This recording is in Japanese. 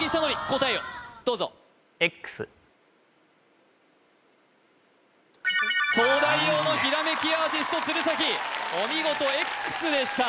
答えをどうぞ東大王のひらめきアーティスト鶴崎お見事Ｘでした